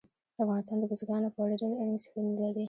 افغانستان د بزګانو په اړه ډېرې علمي څېړنې لري.